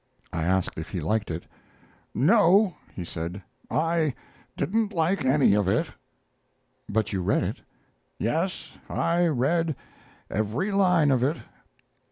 I asked if he liked it. "No," he said, "I didn't like any of it." "But you read it?" "Yes, I read every line of it."